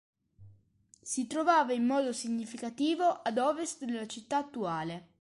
Si trovava in modo significativo ad ovest della città attuale.